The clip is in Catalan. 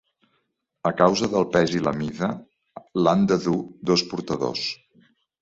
A causa del pes i la mida, l'han de dur dos portadors.